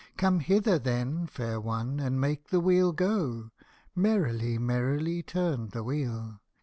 Come hither, then, fair one, and make the wheel go !" Merrily, merrily turned the wheel